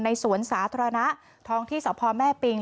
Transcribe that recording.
สวนสาธารณะท้องที่สพแม่ปิง